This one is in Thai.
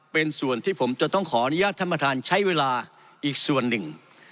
เป็นส่วนที่ผมจะต้องขออนุญาตท่านประธานใช้เวลาอีกส่วนหนึ่ง